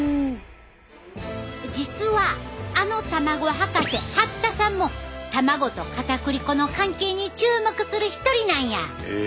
実はあの卵博士八田さんも卵とかたくり粉の関係に注目する一人なんや！